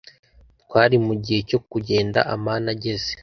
Twari mugihe cyo kugenda amani ageze.